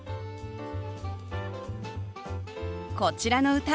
こちらの歌